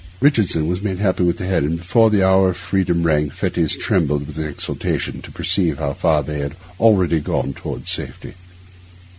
Richardson was made happy with the head; and before the hour of freedom rang Fettes trembled with exultation to perceive how far they had already gone toward safety.